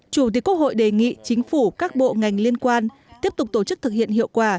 chủ tịch quốc hội đề nghị chính phủ các bộ ngành liên quan tiếp tục tổ chức thực hiện hiệu quả